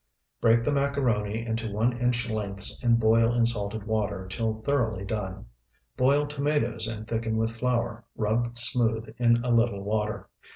Break the macaroni into one inch lengths and boil in salted water till thoroughly done. Boil tomatoes and thicken with flour, rubbed smooth in a little water.